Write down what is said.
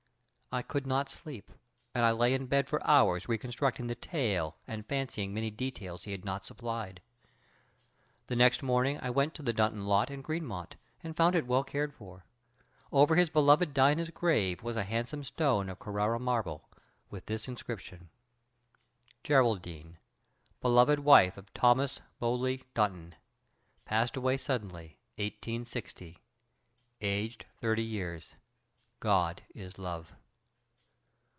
I could not sleep, and I lay in bed for hours reconstructing the tale and fancying many details he had not supplied. The next morning I went to the Dunton lot in Greenmount and found it well cared for. Over his loved Dina's grave was a handsome stone of Carrara marble, with this inscription: ______________________________||| GERALDINE, || Beloved wife of Thomas Bowly || Dunton. || Passed away suddenly, || 1860. || Aged 30 years. || "God is love."